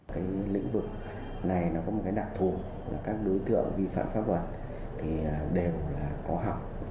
cái lĩnh vực này nó có một cái đặc thù là các đối tượng vi phạm pháp luật thì đều là có học